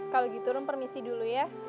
kalo gitu rum permisi dulu ya